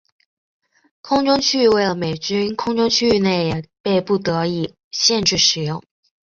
空中区域为了美军空中区域内也被不得已限制使用。